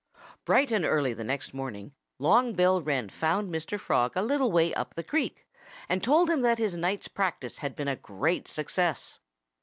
Bright and early the next morning Long Bill Wren found Mr. Frog a little way up the creek and told him that his night's practice had been a great success.